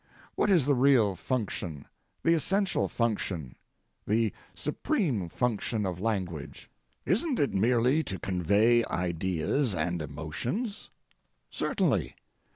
What is the real function, the essential function, the supreme function, of language? Isn't it merely to convey ideas and emotions? Certainly.